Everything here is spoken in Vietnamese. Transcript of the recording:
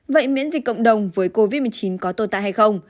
vậy miễn dịch cộng đồng với covid một mươi chín có tồn tại hay không